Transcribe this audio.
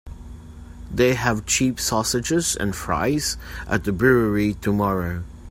They have cheap sausages and fries at the brewery tomorrow.